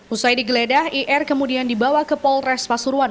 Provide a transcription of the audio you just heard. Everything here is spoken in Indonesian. usai digeledah ir kemudian dibawa ke polres pasuruan